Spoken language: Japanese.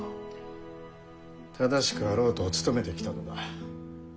正しくあろうと努めてきたのだ。